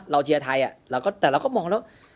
เชียร์ไทยแต่เราก็มองแล้ว